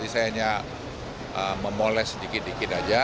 saya hanya memoles sedikit dikit aja